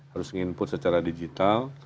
harus input secara digital